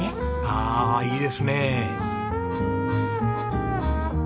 ああいいですねえ。